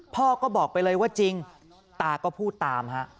พ่อก็บอกไปเลยว่าจริงตาก็พูดตามฮะ